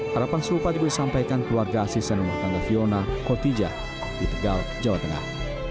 harapan serupa juga disampaikan keluarga asisten rumah tangga fiona kotija di tegal jawa tengah